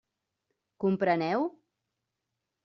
Compreneu?